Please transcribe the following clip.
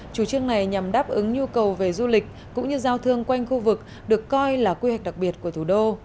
chủ trương này nhằm đáp ứng nhu cầu về du lịch cũng như giao thương quanh khu vực được coi là quy hoạch đặc biệt của thủ đô